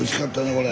これ。